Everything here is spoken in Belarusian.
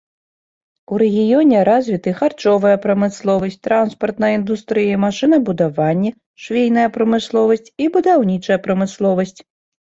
У рэгіёне развіты харчовая прамысловасць, транспартная індустрыя, машынабудаванне, швейная прамысловасць і будаўнічая прамысловасць.